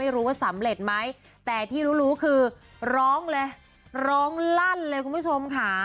รู้ว่าสำเร็จไหมแต่ที่รู้รู้คือร้องเลยร้องลั่นเลยคุณผู้ชมค่ะ